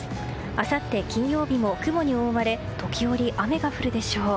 あさって金曜日も雲に覆われ時折、雨が降るでしょう。